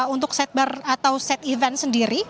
untuk set bar atau set event sendiri